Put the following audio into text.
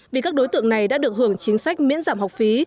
vì các đối tượng này đã được hưởng chính sách miễn giảm học phí